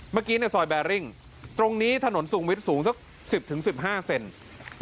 เมื่อกี้ในซอยแบริ่งตรงนี้ถนนสูงวิทย์สูงสัก๑๐๑๕เซน